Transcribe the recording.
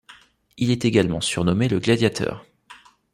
Il est également surnommé le Gladiateur.